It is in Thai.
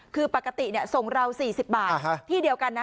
คือปกติส่งเรา๔๐บาทที่เดียวกันนะ